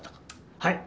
はい。